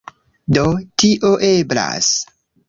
Do, tio eblas.